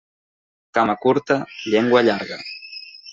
Cama curta, llengua llarga.